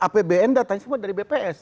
apbn datanya semua dari bps